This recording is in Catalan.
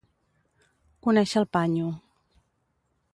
Conèixer el «panyo».